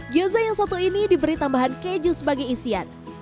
gyoza yang satu ini diberi tambahan keju sebagai isian